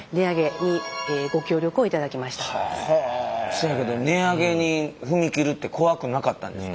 せやけど値上げに踏み切るって怖くなかったんですか？